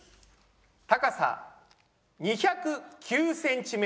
高さ２０９ｃｍ。